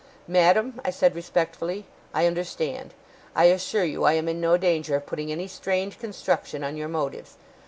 'Madam,' I said respectfully, 'I understand. I assure you I am in no danger of putting any strained construction on your motives.